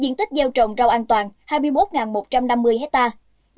diện tích gieo trồng rau an toàn hai mươi một một trăm năm mươi hectare